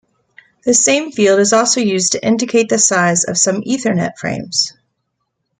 The same field is also used to indicate the size of some Ethernet frames.